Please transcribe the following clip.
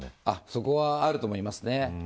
そこはあると思いますね。